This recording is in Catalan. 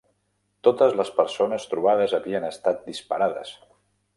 Totes les persones trobades havien estat disparades.